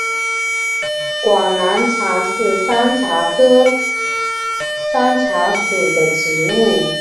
广南茶是山茶科山茶属的植物。